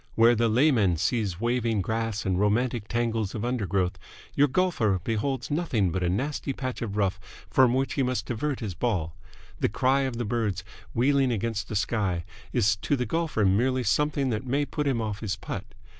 Where the layman sees waving grass and romantic tangles of undergrowth, your golfer beholds nothing but a nasty patch of rough from which he must divert his ball. The cry of the birds, wheeling against the sky, is to the golfer merely something that may put him off his putt.